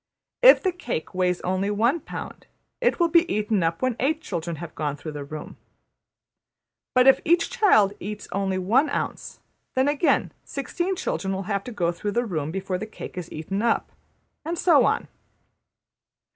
If the cake weighs only one pound, it will be eaten up when eight children have gone through the room. But if each child eats only one ounce, then again sixteen children will have to go through the room before the cake is eaten up, and so on.